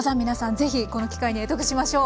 ぜひこの機会に会得しましょう。